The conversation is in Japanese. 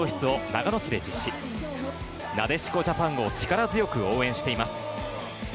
なでしこジャパンを力強く応援しています。